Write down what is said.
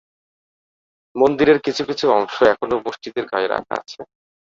মন্দিরের কিছু কিছু অংশ এখনো মসজিদের গায়ে রাখা আছে।